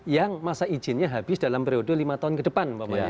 yang masa izinnya habis dalam periode lima tahun ke depannya